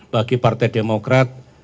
bagi partai demokrat